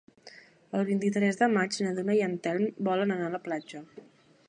El vint-i-tres de maig na Duna i en Telm volen anar a la platja.